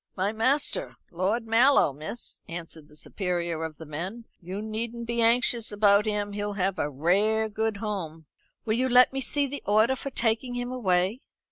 "My master, Lord Mallow, miss," answered the superior of the men. "You needn't be anxious about him; he'll have a rare good home." "Will you let me see the order for taking him away?"